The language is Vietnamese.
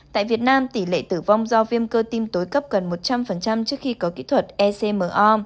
tại việt nam tỷ lệ tử vong do viêm cơ tim tối cấp gần một trăm linh trước khi có kỹ thuật ecmo